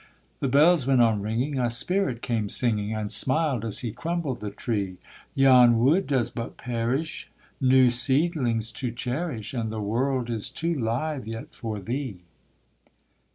The bells went on ringing, a spirit came singing, And smiled as he crumbled the tree; 'Yon wood does but perish new seedlings to cherish, And the world is too live yet for thee.'